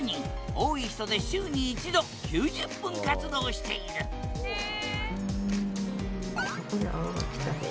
多い人で週に１度９０分活動しているへえ！